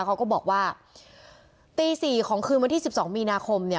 เขาก็บอกว่าตี๔ของคืนวันที่๑๒มีนาคมเนี่ย